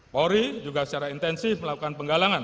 polri juga secara intensif melakukan penggalangan